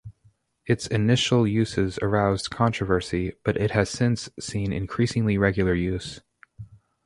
Its initial uses aroused controversy, but it has since seen increasingly regular use.